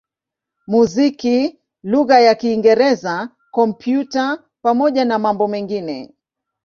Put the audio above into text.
muziki lugha ya Kiingereza, Kompyuta pamoja na mambo mengine.